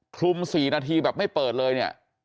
คลุม๔นาทีแบบไม่เปิดเลยเนี่ย